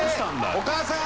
お母さん！